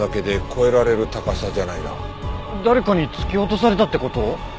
誰かに突き落とされたって事？